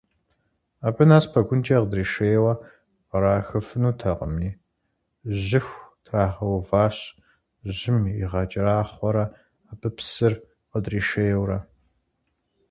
Абы нэс пэгункӏэ къыдрашейуэ кърахыфынутэкъыми, жьыху трагъэуващ, жьым игъэкӏэрахъуэрэ абы псыр къыдришейуэ.